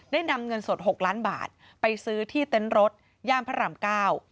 ได้นำเงินสด๖ล้านบาทไปซื้อที่เต้นรถย่ามพระราม๙